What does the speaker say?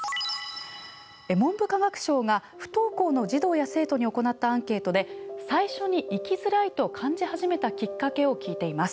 文部科学省が不登校の児童や生徒に行ったアンケートで最初に行きづらいと感じ始めたきっかけを聞いています。